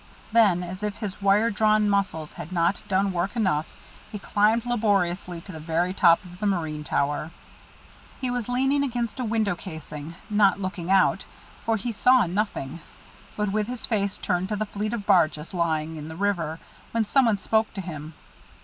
Then, as if his wire drawn muscles had not done work enough, he climbed laboriously to the very top of the marine tower. He was leaning against a window casing; not looking out, for he saw nothing, but with his face turned to the fleet of barges lying in the river; when some one spoke to him.